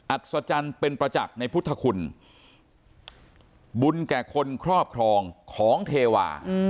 อัศจรรย์เป็นประจักษ์ในพุทธคุณบุญแก่คนครอบครองของเทวา